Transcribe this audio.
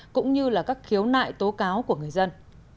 cũng như là các khiếu nại tố cáo của người dân